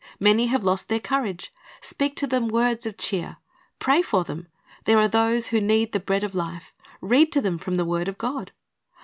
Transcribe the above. Many have lost their courage. Speak to them words of cheer. Pray for them. There are those who need the bread of life. Read to them from the word of God.